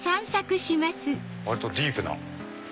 割とディープな。